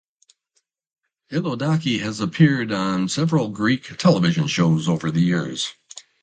Hiloudaki has appeared on several Greek television shows over the years.